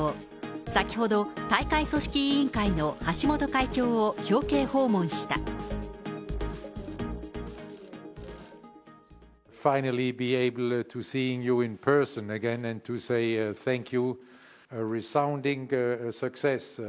先ほど、大会組織委員会の橋本会長を表敬訪問した。